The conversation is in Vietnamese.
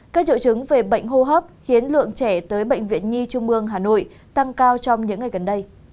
các triệu chứng về bệnh hô hấp khiến lượng trẻ tới bệnh viện nhi trung ương hà nội tăng cao trong những ngày gần đây